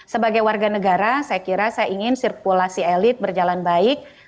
sebagai warga negara saya kira saya ingin sirkulasi elit berjalan baik